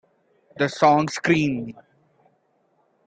The song Scream!